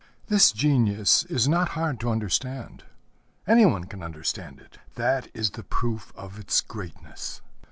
This Genius is not hard to understand. Any one can understand it. That is the proof of its greatness.